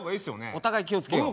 お互い気を付けよう。